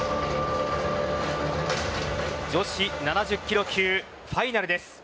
女子７０キロ級ファイナルです。